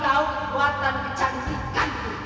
kamu tahu kekuatan kecantikanku